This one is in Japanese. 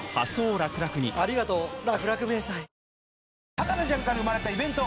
『博士ちゃん』から生まれたイベント